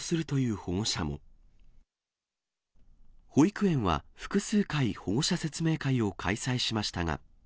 保育園は複数回保護者説明会を開催しましたが。